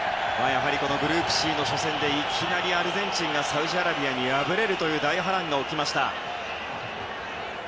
グループＣの初戦でいきなりアルゼンチンがサウジアラビアに敗れるという大波乱が起きました。